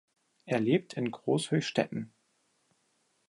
Er lebt in Grosshöchstetten.